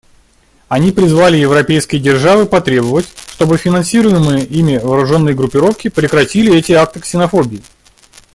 Они призвали европейские державы потребовать, чтобы финансируемые ими вооруженные группировки прекратили эти акты ксенофобии.